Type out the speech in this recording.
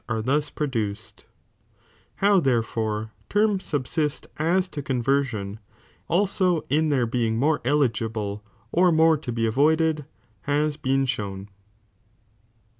7.) are thus produced.* How therefore terms sub ciudeithe sist as to conversion, also in their being more eh chspterhere. gjijie or more to be avoided, has been shown.